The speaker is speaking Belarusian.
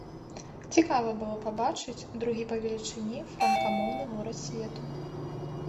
Цікава было пабачыць другі па велічыні франкамоўны горад свету.